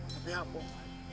tapi ya ampun